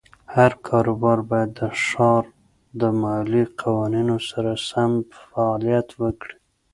هر کاروبار باید د ښار د مالیې قوانینو سره سم فعالیت وکړي.